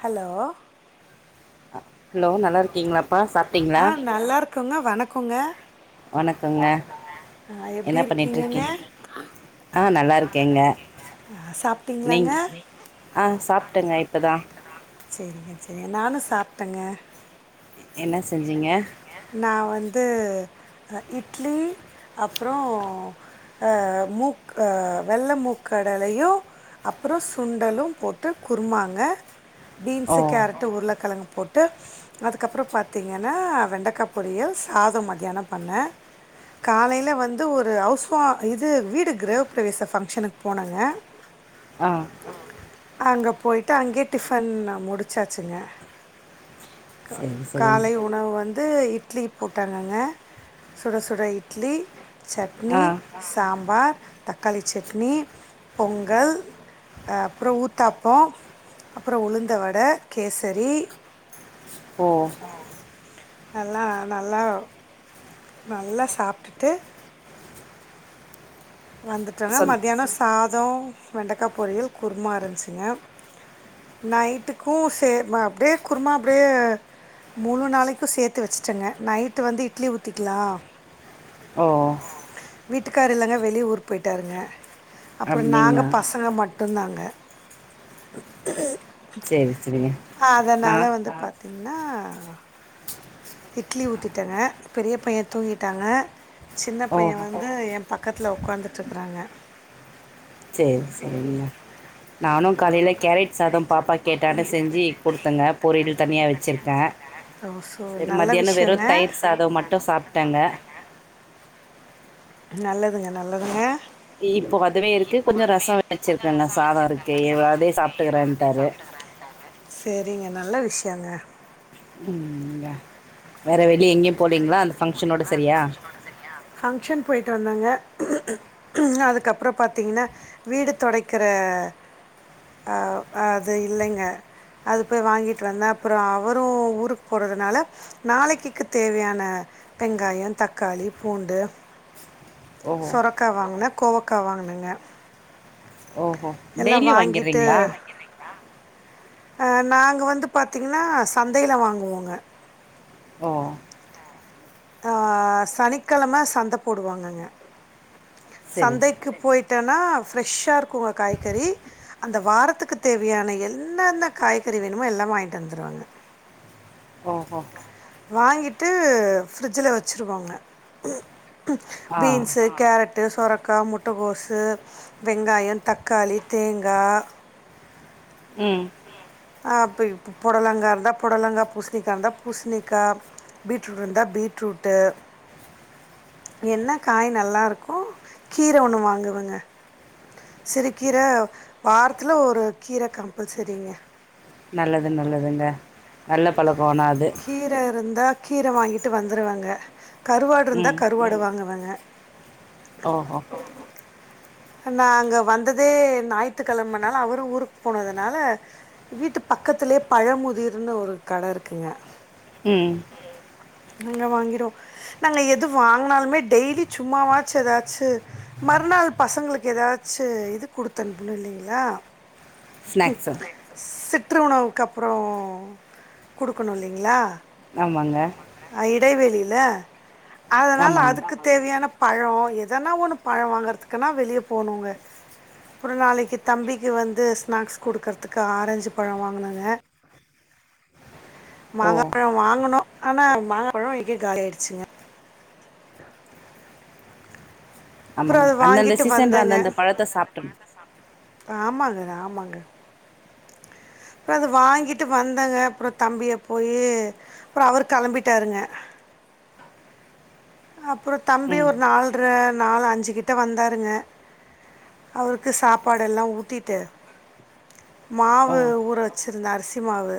Hello hello நல்லா இருக்கீங்களாப்பா சாப்ட்டீங்களா வணக்கோங்க வணக்கோங்க எப்படி என்ன பண்ணிட்ருக்கீ இருக்கீங்கங்க ஆஹ் நல்லா இருக்கேங்க ஆ, நீங் சாப்பிட்டீங்களாங்க ஆ சாப்டங்க இப்பதா சரிங்க சரிங்க நானு சாப்டங்க என்ன செஞ்சிங்க நா வந்து இட்லி அப்றோ ஆஹ் மூக் வெள்ள மூக்கடலையு அப்றோ சுண்டலும் போட்டு குருமாங்க ஓ பீன்சு கேரட்டு உருளக்கழங் போட் டு அதுக்கப்றோ பாத்தீங்கனா வெண்டக் கப் பொரியல் சாதம் மத்யான பண்னே. காலைல வந்து ஒரு ஹவுஸ் உவா இதூ வீடு கிரவ்ப் ப்ரவேச ஃபங்ஷனுக் போனங்க ஆ அங்க போய்ட்டு அங்கயே டிப்பன்ன முடிச்சாச்சுங்க. க சரி சரிங்க காலை உணவு வந் தூ இட்லி போட்டாங்கங்க. சுட சுட இட்லீ, சட்னீ, ஆ சாம்பார், தக்காளிச்சட்னீ, பொங்கல் ஆ அப்றோ ஊத்தாப்போ அப்றோ உளுந்தவடா, கேசரி ஓ நல்லா நல்லாவ் நல்லா சாப்டுட்டு வந்துட்டனா சொல் மத்தியான சாப்ட் [unintelligible] வெண்டக்கா பொரியல் குர்மா இருந்ச்சுங்க நைட்டுக்கு சே நா அப்டியே குருமா அப்டியே மூணு நாளைக்கு சேத்து வச்சிட்டங்க நைட்டு வந்து இட்லி ஊத்திக்லா ஓ வீட்டுக்காரர் இல்லங்க வெளி வெளிஊர் போயிட்டாருங்க அப்றோ நாங்க அப்படிங்களா பசங்க மட் சரி சரிங்க [unintelligible] அதனால நான் வந்து பாத்தீ ன்னா இட்லி ஊத்திட்டங்க பெரிய பைய தூங்கிட்டாங்க சின்ன ஓ பைய வந்து எ பக்கத்ல உக்காந்துட்ருக்காங்க செரி செரிங்க நானும் காலைல கேரட் சாதம் பாப்பா கேட்டானு செஞ்சு குடுத்தங்க பொரியல் தனியா வச்சிருக்கே ஸோ நல்ல மத்தியான விஷயங்க வெறும் தயிர் சாதம் மட்டும் சாப்ட்டேங்க நல்லதுங்க நல்லதுங்க இப்போ அதுவே இருக்கு கொஞ்சோ ரச வச்சிருக்கங்க சாதோ இருக்கு இவர் அதே சாப்ட்டுக்கறேன்ட்டாரு செரிங்க நல்ல விஷயங்க ம் வேற வெ இல்ல எங்கேய் போலீங்களா அந்த ஃபங்ஷனோட சரியா ஃபங்க்ஷன் போயிட்டு வந்தங்க ம் அதுக்கப்றோ பாத்தீங்கன்னா வீடு தொடக்கிற அது இல்லங்க அது போய் வாங்கிட்டு வந்த அப்றோ அவரு ஊருக்கு போறதுனால நாளைக்கு தேவையான வெங்காய தக்காளி பூண்டு ஓஹோ சொரக்கா வாங்குனே கோவக்கா வாங்குனேங்க ஓஹோ டெய்லி வாங்கிறீங்ளா அ நாங்க வந்து பாத்தீங்னா சந்தையில வாங்குவோங்க ஓ ஆ சனிக்கெலம சந்த போடுவாங்கங்க சரி சரி சந்தைக்கு போய் ட்டோனா ஃபரெஷ்ஷா இருக்குங்க காய்கறி அந்த வாரத்துக்கு தேவையான என்னென்ன காய்கறி வேணுமோ எல்லா வாய்ன்ட்டு வந்துருவாங்க ஓஹோ வாங்கிட்டு ஃப்ரிட்ஜ்ல வச்சிருவாங்க இ ம் ஆ பீன்ஸு கேரட்டு சொரக்கா முட்டகோசு வெங்காயோ தக்காளி தேங்கா ம் [unintelligible] ப்ப பொடலங்கா இருந்தா பொடலங்கா பூசணிக்கா இருந்தா பூசணிக்கா பீட்ரூட் இருந்தா பீட்ரூட்டு் என்ன காய் நல்லா இருக்கு கீர ஒண்ணு வாங்குவங்க சிறு கீர வாரத்துல ஒரு கீர கம்பல்செரிங்க நல்லது நல்லதுங்க நல்ல பலக் கீர இருந்தா கீர வாங்கிட்டு வந்துருவங்க கருவாடு இருந்தா ம் கருவாடு வாங்குவே ஆ ஓஹோ நா அங்க வந்ததே ஞாயித்துக்கெலமனால அவரு ஊருக் போனதுனால வீட்டு பக்கத்துலயே பழமுதிர்னு ஒரு கட இருக்குங்க ம் அங்க வாங்கிறோ நாங்க எது வாங்குனாலுமே டெய்லி சும்மாவாச்சு எதாச்சு மறுநாள் பசங்குளுக்கு எதாச்சு இது குடுத்தனுப்பனு இல்லிங்களா ஸ்நாக்ஸு [unintelligible] [unintelligible] உணவுக்கு அப்றோ குடுக்குணு இல்லிங்ளா ஆமாங்க இடைவேளில அதனால ஆமாங்க அதுக்கு தேவையான பழோ எதனா ஒன்னு பழோ வாங்கறதுக்குன்னா வெளிய போணுங்க அப்புறோ நாளைக்கு தம்பிக்கு வந்து ஸ்நாக்ஸ் குடுக்குறதுக் ஆரஞ்சு பழோ வாங்குனங்க ஓ மாங்கா பழோ வாங்கணு ஆனா மாங்கா பழோ இங்க காலி ஆய்ருச்சுங்க அப்புறம் ஆமாங்க அது அந்தந்த வாங்கிட்டு சீசன்ல வந்தேங்க அந்தந்த பழத்த சாப்ட்டணு ஆமாங்க ஆமாங்க அப்ப அது வாங்கிட்டு வந்தங்க அப்றோ தம்பிய போயி அப்றோ அவர் கெளம்பிட்டாருங்க அப்றோ தம்பி ம் ஒரு நால்ற நால் அஞ்சு கிட்ட வந்தாருங்க அவுருக்கு சாப்பாடு எல்லா ஊட்டிட்டு ஓ மாவு ஊற வச்சிருந்த அரிசி மாவு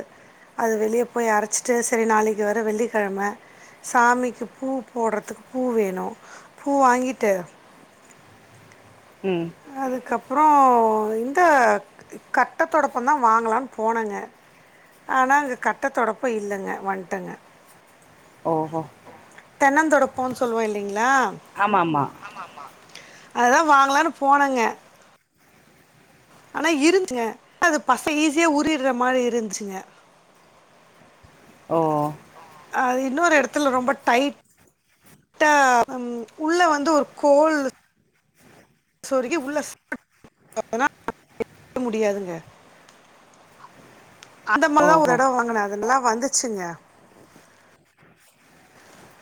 அது வெளிய போய் அரச்சிட்டு சரி நாளைக்கு வர வெள்ளி கெழம சாமிக்கு பூ போட்றதுக்கு பூ வேணு பூ வாங்கிட்டு ம் அதுக்கப் ப்றோ இந்த கட்ட தொடப்பந்தா வாங்கலான் போனங்க ஆனா அங்க கட்ட தொடப்போ இல்லங்க வண்ட்டங்க ஓஹோ தென்னந்தொடப்போன் சொல்வோ இல்லிங்ளா ஆமா ஆமா அததா வாங்கலான் போனங்க ஆனா இருஞ்சுங்க அது பச ஈஸியா உறிற மாரி இருஞ்சுங்க ஓ அது இன்னொரு எடத்துல ரொம்ப டைட்டா ம் உள்ள வந்து ஒரு கோல் சொரிகு உள்ள சா [unintelligible] முடியாதுங்க அந்த மாரில்லா ஒரு ஓஹோ எடோ வாங்கன அது நல்லா வந்துச்சுங்க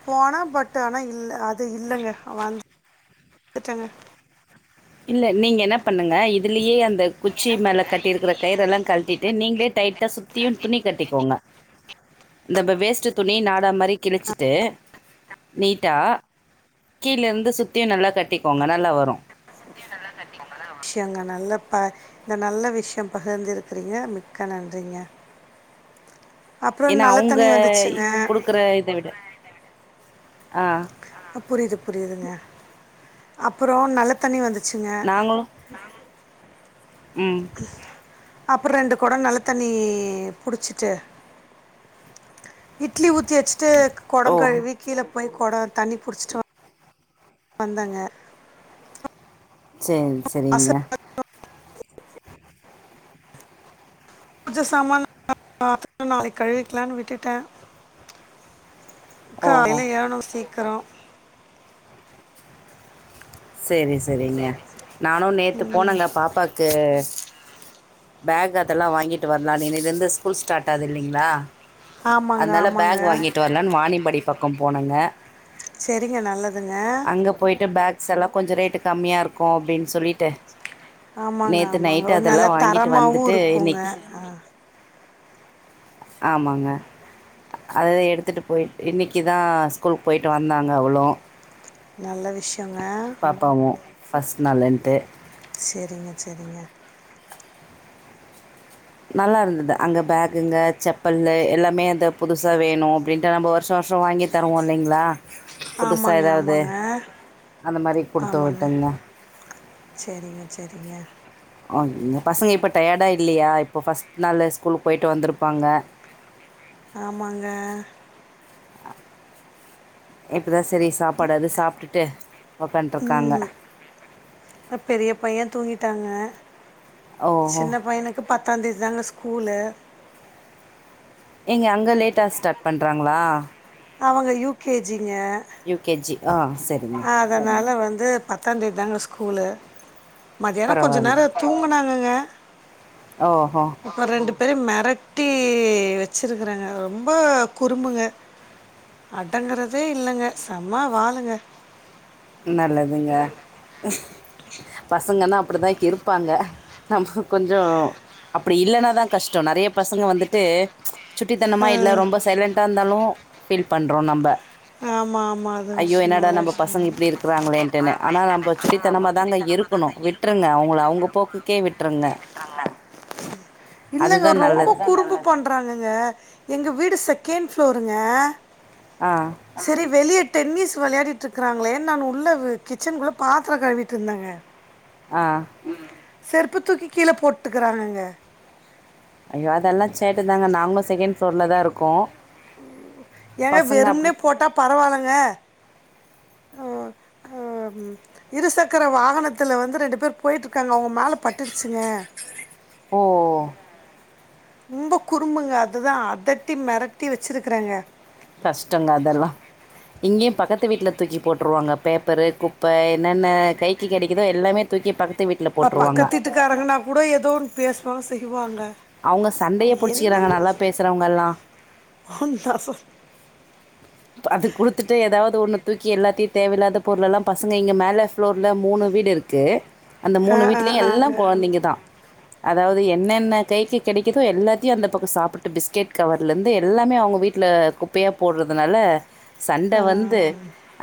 போன பட் ஆனா இல்ல அது இல்லங்க வந்துட்டங்க இல்ல நீங்க என்ன பண்ணுங்க இதுலியே அந் த குச்சி மேல கட்டிருக்குற கயிறெல்லா கழட்டிட்டு நீங்களே டைட்டா சுத்தியு துணி கட்டிகோங்க இந்தப வேஸ்ட்டு துணி நாடா மாரி கிழிச்சிட்டு நீட்டா கீழருந்து சுத்தியு நல்லா கட்டிகோங்க நல்லா வரு துணிய நல்லா கட்டிகோங்க நல்லா வரு எங்க நல்லா பா நல்ல விஷயோ பகிர்ந்துருக்கறீங்க மிக்க நன்றிங்க அப்புறம் ஏன்னா நல்ல அவங்க தண்ணி வந்துச்சுங்க. குடுக்குற இத விட ஆ ஆ புரிது புரியுதுங்க அப்புறோ நல்ல தண்ணி வந்து ச்சுங்க நாங்களு உம் அப்றோ ரெண்டு கொடோ நல்ல தண்ணி புடிச்சுட்டு இட்லிஊத் தி வச்சிட்டு ஓ கொடோங் கழுவி கீழே போய் கொடோ தண்ணி புடுச்சுட்டுவா வந்தங்க செர்ரி செர்ரிங்க [inaudible] பூஜ சாமான் [inaudible] நாளைக் கழுவிக்லான்னு விட்டுட்ட ஓஹோ காலேல எழ்னூ சி க்குறோ சேரி சேரிங்க நானு நேத்து ம், போனங்க பாப்பாக்கு பேக் அதெல்லா வாங்கிட்டு வர்லான் இன்னிலேர்ந்து ஸ்கூல் ஸ்டாட் ஆது இல்லிங்ளா ஆமாங்க அதனால ஆமாங்க பேக் வாங்கிட்டு வரலான் வாணிபடி பக்கோ போன இன்ன செரிங்க நல்லதுங்க கொஞ்ச ரேட்டு கம்மியா இருக்கு அப்டின் சொல்லிட்டு ஆமாங்க நேற்று ஆமாங்க நைட்டு ஒரு நல்ல அதெல்லாம் வாங்கிட்டு தரமாவு வந்துட்டு இருக்குங்க இன்னைக்கு அஹ் ஆமாங்க அத எடுத்துட்டு போய் இன்னைக்குதா ஸ்கூல்க் போய்ட்டு வந்தாங்க அவுளு நல்ல வி ஷ்யோங்க ஃபஸ் நாளுண்ட்டு செரிங்க செரிங்க நல்லா இருந்துத அங்க பேக்குங்க செப்பல்லு எல்லாமே அந்த புதுசா வேணு அப்டின்ட்டு நம்போ வர்ஷோ வர்ஷோ வாங்கி தருவோ இல்லைங்ளா ஆமாங்க ஆமாங்க அந்த மாரி குடுத்து ஆமாங்க விட்டங்க செரிங்க செரிங்க அம் பசங்க இப்போ டயர்டா இல்லியா இப்போ ஃபர்ஸ்ட் நாளு ஸ்கூலுக் போய்ட்டு வந்துருப்பாங்க ஆமாங்க எப் இதா செரி சாப்பாடாது சாப்ட்டுட்டு உக்காண்ட்ருக்காங்க உம் அ பெரியபைய தூங்கி டாங்க ஓஹோ சின்ன பையனுக்கு பத்தாந் தேதி தாங்க ஸ் கூலு எங்க அங்க லேட்டா ஸ்டாட் பண்றாங்களா அவங்க யூ கே ஜி ங்க யூ கே ஜி ஆ ஓகே சரிங்க சூப்ப அதனால வந்து பத்தாந்தேதி தாங்க ஸ்கூலு மதியானோ கொஞ்ச பரவால்ல நேரோ தூங்கனாங்கங்க ஓஹோ பேரயு மெரட்டி வச்சிருக்குறாங்க ரொம்போ குறும்புங்க அடங்கறதே இல்லங்க செம்ம வாலுங்க நல்லதுங்க பசங்கனா அப்பிடிதா இருப்பாங்க நம்க்கு கொஞ்சோ அப்பிடி இல்லனாதா கஷ்டோ நெறைய பசங்க வந்துட்டு சுட்டித்தனமா இல்ல ரொம்ப சைலண்ட்டா இந்தாலு ஃபில் பண்றோ நம்ப ஆமா ஆமா அது ஐயோ! விஷ் என்னடா நல்ல நம்ம பசங்க விஷ்யந்தா இப்டி இப்டியே இருக்கிறாங்களேன்ட்டுன்னு. ஆனா இருக்குறாங்களேன்ட்டுன நம்ப ஆனா நம்போ சுட்டித்தனமா தாங்க சுட்டிதனமா தாங்க இருக்கணும். இருக்குணு விட்ருங்க அவங்கள விட்ருங்க அவங்க அவுங்குள போக்குக்கே விட்ருங்க. அவுங்க போக்குக்கே விட்ருங்க இல்லங்க அதுதான் ரொம்போ நல்லது. அப்டிதா குறும்பு பண்றாங்கங்க எங்க வீ வீடு செக்கண் ஃபுளோருங்க ஆ செரி வெளியே டென்னிஸ் வெளையாடிட்டிருக்கறாங்களே நா உள்ள வெ கிச்சனுக்குள்ள பாத்திர கழுவிட்டு இருந்தங்க ஆ செருப்பு தூக்கி கீழ போட்டுக்கிறாங்கங்க ஐயோ அதெல்லா சேட்ட தாங்க நாங்களு செகண்ட் சொல்லதா இருக்கோ ஏங்க வெறும்னே போட்டா பரவாலங்க அ அ ம் இருசக்கர வாகனத்துல வந்து ரெண்டு பேர் போயிட்டு இருக்காங்க அவங்க மே மேலே பட்டுடுச்சுங்க ஓ! ம்ப குறும்புங்க அதுதா அதட்டி மெரட்டி வச்சிருக்றேங்க கஷ்டோந்த அதெல்லா இங்கியு பக்கத்து வீட்ல தூக்கி போட்டுருவாங்க பேப்பரு குப்ப என்னென்ன கைக்கு கெடைக்குதோ எல்லாமே தூக்கி பக்கத் அ பக்கத்து வீட்டு காரங்கன்னா கூட ஏதோன் பேசுவாங் செய்வாங்க அவங்க சண்டயே புடிச்சிக்கிறாங்க என்னங்க நல்லா பேசுறவங்க எல்லா ஒன்றா சொல் ப அது குடுத்துட்டு ஏதாவது ஒண்ணு தூக்கி எல்லாத்தையு தேவயில்லாத பொருள் எல்லா பசங்க இங்க மேல ப்ளோர்ல மூணு வீடு இருக்கு அந்த ஆ மூணு ஆ வீட்லியு எல்லா ஆங்க கெழந்தைங்க தா அ அதாவது என்னென்ன கைக்கு கெடைக்குதோ எல்லாத்தையு அந்த பக்கோ சாப்பிட்டு பிஸ்கெட் கவர்ல இருந்து எல்லாமே அவங்க வீட்ல குப்பையா போட்ற துனால சண்ட ஆ வந்து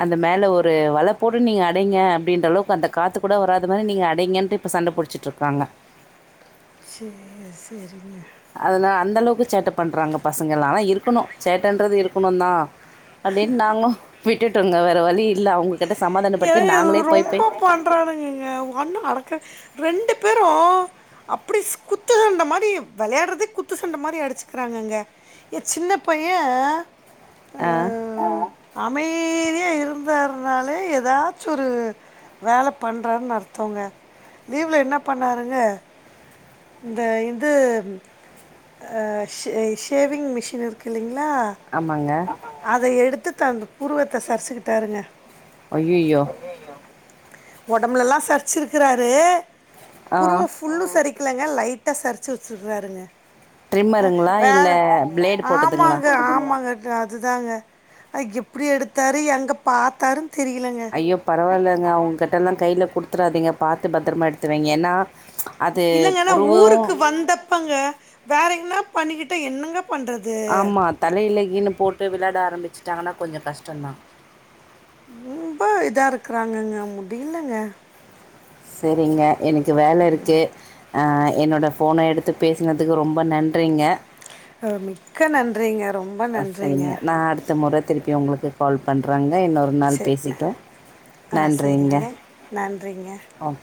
அந்த மேல ஒ ரு வல போட்டு நீங்க அடைங்க அப்படின்ற அளவுக்கு அந்த காத்து கூட வராத மாரி நீங்க அடைங்கன்டு இப்ப சண்ட புடிச்சுட்ருக்காங்க செரிங்க செரிங்க அதனால அந்த அளவுக்கு சேட்ட பண்றாங்க பசங்கலா இருக்கணு சேட்டன்றது இருக்கணுந்தா அப்டின்னு நாங்கு வி ட்டுடோங்க வேற வழி இல்ல அவங்களு ஏ இரு ரொம்ப பண்றானுங்கங்க ஒண்ணு அடக்க ரெண்டு பேர் ரு அப்படி ஸ் குத்து சண்ட மாரி விளையாடுறதே குத்து சண்ட மாரி அடிச்சுக்கிறாங்கங்க என் சின்ன பையே ஆ அமைதியா இருந்தார்னாலே எ தாச்சு ஒரு வேல பண்றாருனு அர்த்தோங்க லீவ்ல என்ன பண்ணாருங்க இந்த இது அ ஷ ஷேவிங் மிஷின் இருக்கு இல்லிங் ளா ஆமாங்க அத எடுத்து அந்த புருவத்த சரிச்சுக்கிட்டாருங்க ஐயயோ ஒடம்புல எல்லா சரிச்சிருக்குறாரு ஆ புருவோ ஃபுல்லு சரி க்கலங்க லைட்டா சரிச்சு வச்சுட்றாருங்க ட்ரிம்மருங்களா வேற இல்லை பிளேடு போட்டதுங்களா ஆமாங்க ஆமாங்க அதுதாங்க அது எப்படி எடுத்தாரு எங்க பாத்தாரு ஐயோ பரவால்லங்க உங்ககிட்டலா கையில கொடுத் சுராதிங்க பாத்து பத்திரமா எடுத்துவைங்க ஏன்னா அது இல்லங்க ஆனா புருவம் ஊருக்கு வந்தப்பங்க வேற எங்னா பண்ணிக்கிட்டா என்னங்க பண்றது ஆமா தலைல ஈனு போட்டு விளையாட ஆரம்பிச் இதானா கொஞ்சோ கஷ்டம்தா ரொம்ப இதா இருக்கறாங்கங்க முடியலங்க சரிங்க எனக்கு வேல இருக்கு அ என்னோட போன எடுத்து பேசுனதுக்கு ரொம்ப நன்றிங்க மிக்க நன்றிங்க ரொம்ப அ நன்றிங்க சரிங்க நா அடுத்த முற திருப்பி உங்களுக்கு கால் பண்றங் க இன்னொரு ஒரு நாள் சே பேசிப்போ ஆ நன்றிங்க சேரிங்க நன்றிங்க ஒ